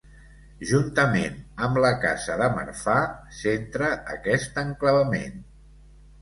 Juntament amb la casa de Marfà centra aquest enclavament.